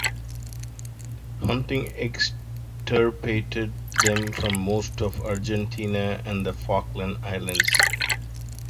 Hunting extirpated them from most of Argentina and the Falkland Islands.